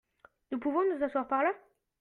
Nous pouvons nous asseoir par là ?